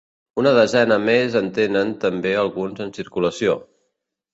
Una desena més en tenen també alguns en circulació.